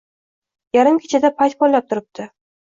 Yarim kechada payt poylab turibdi